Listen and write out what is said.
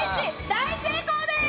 大成功です！